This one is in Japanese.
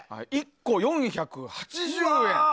１個４８０円。